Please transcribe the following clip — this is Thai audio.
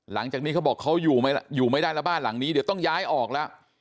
หลังจากนี้เขาบอกเขาอยู่ไม่ได้แล้วบ้านหลังนี้เดี๋ยวต้องย้ายออกแล้ว